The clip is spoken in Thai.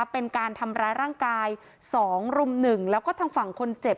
เป็นการทำร้ายร่างกาย๒รุ่มหนึ่งแล้วก็ทางฝั่งคนเจ็บ